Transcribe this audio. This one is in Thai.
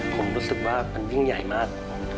ผมรู้สึกว่ามันยิ่งใหญ่มาก